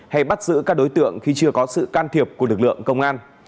hay bắt giữ các đối tượng khi chưa có sự can thiệp của lực lượng công an